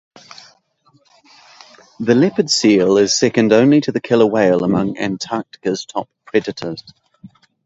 The leopard seal is second only to the killer whale among Antarctica's top predators.